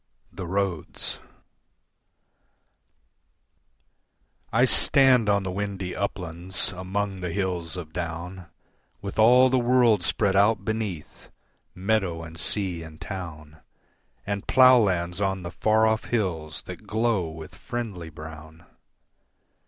The Roads I stand on the windy uplands among the hills of Down With all the world spread out beneath, meadow and sea and town, And ploughlands on the far off hills that glow with friendly brown.